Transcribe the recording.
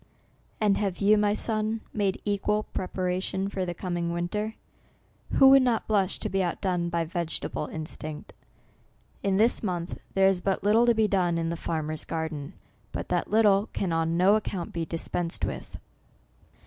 And have you, my son, made equal prepar ation for the coming winter ? Who would not blush to be outdone by vegetable instinct ! In this month there is but little to be done NOVEMBER, l9o in the farmers garden, but that little can on no account be dispensed with.